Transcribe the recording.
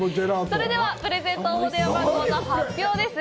それでは、プレゼント応募電話番号の発表です。